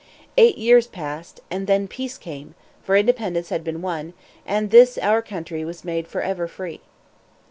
Eight years passed, and then peace came, for independence had been won, and this our country was made forever free.